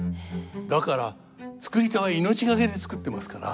だから作り手は命懸けで作ってますから。